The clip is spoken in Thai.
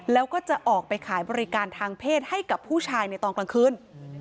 แล้วก็จะออกไปขายบริการทางเพศให้กับผู้ชายในตอนกลางคืน